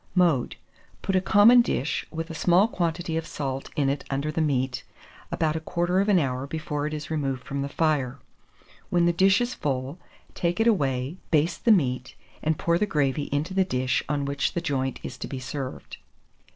Mode. Put a common dish with a small quantity of salt in it under the meat, about a quarter of an hour before it is removed from the fire. When the dish is full, take it away, baste the meat, and pour the gravy into the dish on which the joint is to be served.